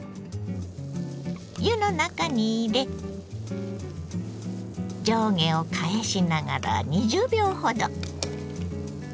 湯の中に入れ上下を返しながら２０秒ほど。